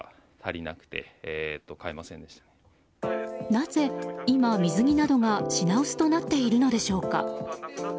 なぜ今、水着などが品薄となっているのでしょうか。